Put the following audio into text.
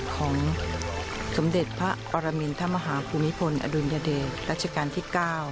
ของสมเด็จพระปรมินทรมาฮภูมิพลอดุลยเดชรัชกาลที่๙